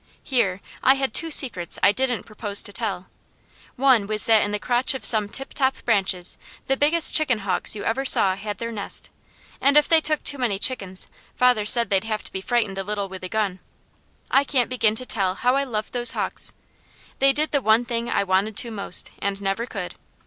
Here, I had two secrets I didn't propose to tell. One was that in the crotch of some tiptop branches the biggest chicken hawks you ever saw had their nest, and if they took too many chickens father said they'd have to be frightened a little with a gun. I can't begin to tell how I loved those hawks. They did the one thing I wanted to most, and never could.